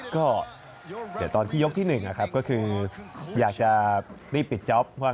ก็เดี๋ยวตอนที่ยกที่๑นะครับก็คืออยากจะรีบปิดจ๊อปว่า